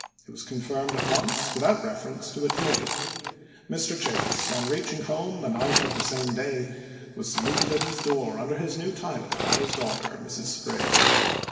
It was confirmed at once without reference to a committee. Mr. Chase, on reaching home the night of the same day, was saluted at his door under his new title by his daughter, Mrs. Sprague.